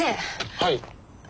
はい。